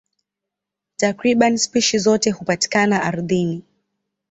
Takriban spishi zote hupatikana ardhini.